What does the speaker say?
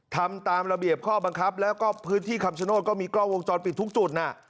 ทำตามระเบียบข้อบังคับแล้วก็พื้นที่คำชโนธก็มีกล้องวงจรปิดทุกจุดน่ะ